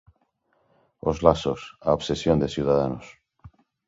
'Os lazos: a obsesión de Ciudadanos'.